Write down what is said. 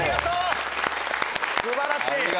素晴らしい。